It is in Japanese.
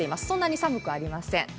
そんなに寒くありません。